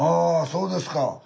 そうですか。